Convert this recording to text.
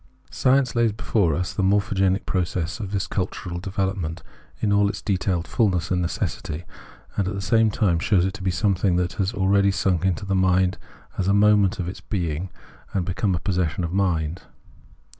Science lays before us the morphogenetic process of this cultural development in all its detailed fullness and necessity, and at the same time shows it to be something that has already sunk into the mind as a moment of its being and become a possession of mind.